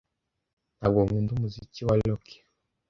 ntabwo nkunda umuziki wa rock